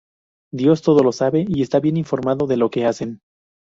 Dios todo lo sabe y está bien informado de lo que hacen.